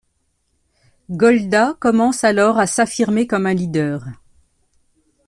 Golda commence alors à s'affirmer comme un leader.